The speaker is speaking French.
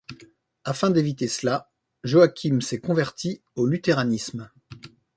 Afin d'éviter cela, Joachim s'est converti au Luthéranisme.